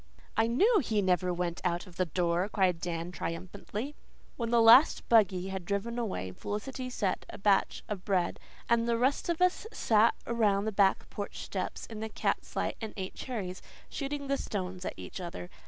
"I KNEW he never went out of the door," cried Dan triumphantly. When the last buggy had driven away, Felicity set a batch of bread, and the rest of us sat around the back porch steps in the cat's light and ate cherries, shooting the stones at each other.